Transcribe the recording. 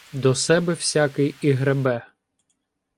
До себе всякий і гребе